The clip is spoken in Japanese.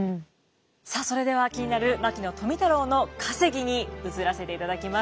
さあそれでは気になる牧野富太郎の稼ぎに移らせていただきます。